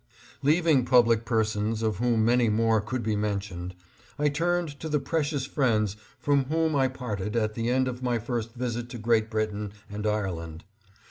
Leaving public persons, of whom many more could be mentioned, I turned to the precious friends from whom I parted at the end of my first visit to Great Britain and Ireland.